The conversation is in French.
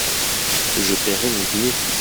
Je paierai mon dîner.